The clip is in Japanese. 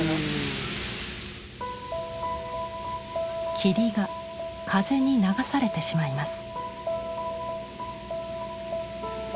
霧が風に流されてしまいます。